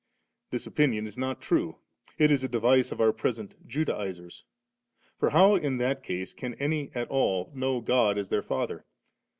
This opinion is not true ; it is a device of our present Judaizers. For how in that case can any at all know God as their Father